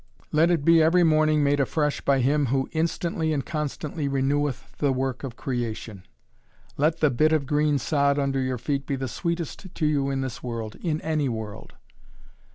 Let it be every morning made afresh by Him who "instantly and constantly reneweth the work of creation." Let "the bit of green sod under your feet be the sweetest to you in this world, in any world."